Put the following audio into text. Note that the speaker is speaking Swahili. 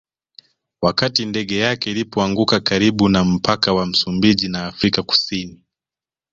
Wakati ndege yake ilipoanguka karibu na mpaka wa Msumbiji na Afrika Kusini